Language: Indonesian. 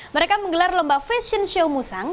mereka menggelar lomba fashion show musang